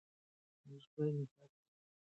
موږ باید انصاف ولرو.